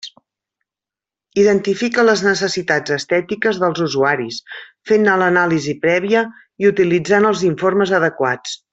Identifica les necessitats estètiques dels usuaris fent-ne l'anàlisi prèvia i utilitzant els informes adequats.